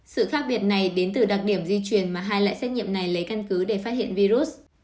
sự khác biệt này đến từ đặc điểm di chuyển mà hai loại xét nghiệm này lấy căn cứ để phát hiện virus